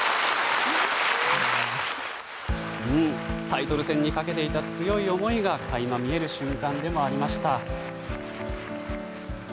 タイトル戦にかけていた強い思いが垣間見える瞬間でもありました。